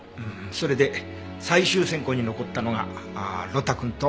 それで最終選考に残ったのが呂太くんと。